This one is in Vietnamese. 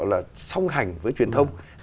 là song hành với truyền thông